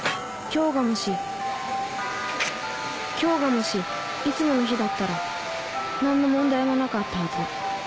今日がもしいつもの日だったら何の問題もなかったはず